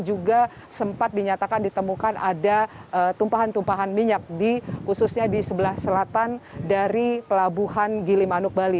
juga sempat dinyatakan ditemukan ada tumpahan tumpahan minyak khususnya di sebelah selatan dari pelabuhan gilimanuk bali